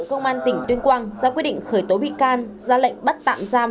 công an tỉnh tuyên quang ra quyết định khởi tố bị can ra lệnh bắt tạm giam